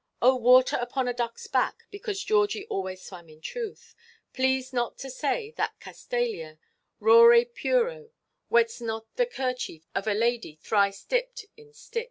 Oh water upon a duckʼs back, because Georgie always swam in truth; please not to say that Castalia, rore puro, wets not the kerchief of a lady thrice dipped in Styx.